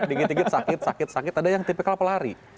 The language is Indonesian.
dikit dikit sakit sakit ada yang tipikal pelari